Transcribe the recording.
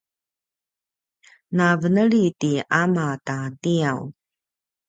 na veneli ti ama ta tiyaw